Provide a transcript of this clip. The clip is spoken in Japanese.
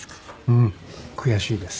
うん悔しいです。